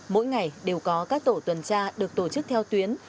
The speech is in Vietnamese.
mỗi ngày đều có các tổ tuần tra được tổ chức theo tuyến